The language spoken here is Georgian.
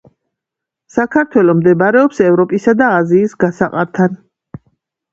საქართველო მდებარეობს ევროპისა და აზიის გასაყართან